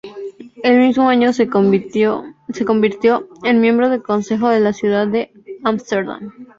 El mismo año se convirtió en miembro del consejo de la ciudad de Amsterdam.